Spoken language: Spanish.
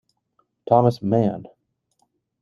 Thomas Mann.